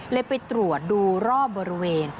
ไปตรวจดูรอบบริเวณ